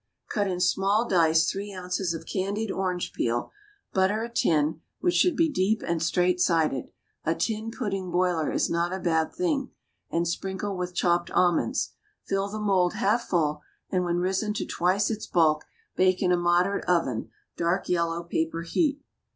Cut in small dice three ounces of candied orange peel; butter a tin, which should be deep and straight sided a tin pudding boiler is not a bad thing and sprinkle with chopped almonds. Fill the mold half full, and when risen to twice its bulk, bake in a moderate oven, dark yellow paper heat.